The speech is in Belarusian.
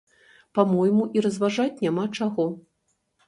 Па-мойму, і разважаць няма чаго!